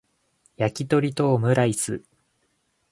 やきとりとオムライス